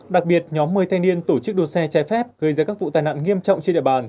đặc biệt nhóm một mươi thanh niên tổ chức đua xe trái phép gây ra các vụ tai nạn nghiêm trọng trên địa bàn